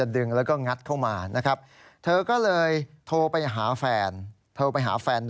ตั้งกล้องรอไว้